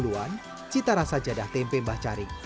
sejak didirikan tahun lima puluh an cita rasa tempe bacem tidak berubah